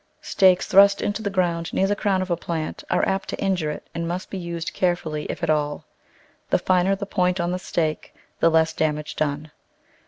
Stakes thrust into the ground near the crown of a plant are apt to injure it, and must be used carefully if at all; the finer the point on the stake the less damage done.